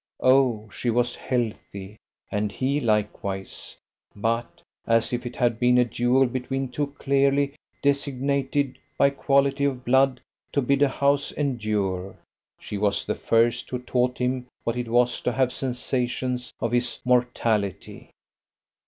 O she was healthy! And he likewise: but, as if it had been a duel between two clearly designated by quality of blood to bid a House endure, she was the first who taught him what it was to have sensations of his mortality.